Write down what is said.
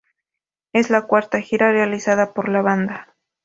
Es la cuarta gira realizada por la banda.